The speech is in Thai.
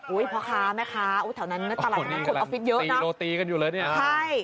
โอ้ยพ่อค้าแม่ค้าแถวนั้นตลาดขุมอัลฟิสเยอะนะพี่กำลังตีหนูตีกันอยู่แล้วเนี่ย